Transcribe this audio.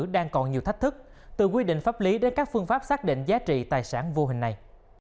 đang còn nhiều thách thức từ quy định pháp lý đến các phương pháp xác định giá trị tài sản vô hình này